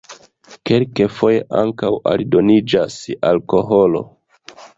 Kelkfoje ankaŭ aldoniĝas alkoholo.